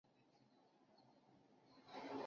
塞涅德古埃及早王朝时期第二王朝国王。